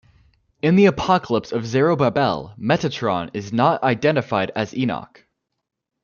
In the Apocalypse of Zerubbabel Metatron is not identified as Enoch.